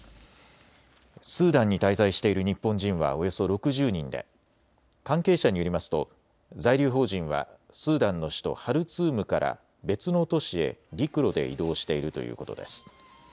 スーダンに滞在している日本人はおよそ６０人で関係者によりますと在留邦人はスーダンの首都ハルツームから別の都市へ陸路で移動しているということです。